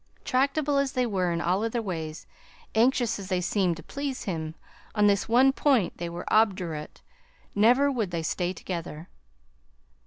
Tractable as they were in all other ways, anxious as they seemed to please him, on this one point they were obdurate: never would they stay together.